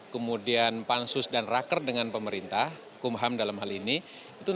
kemudian membuat perhubungan dan kemudian membuat perhubungan